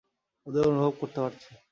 ওদের অনুভব করতে পারছি!